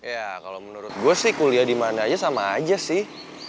ya kalau menurut gue sih kuliah dimana aja sama aja sih